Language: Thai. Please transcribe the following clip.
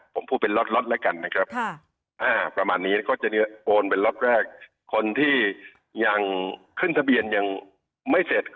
ผมพูดเป็นล็อตแล้วกันนะครับประมาณนี้แล้วก็จะโอนเป็นล็อตแรกคนที่ยังขึ้นทะเบียนยังไม่เสร็จ